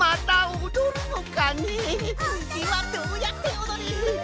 つぎはどうやっておどる？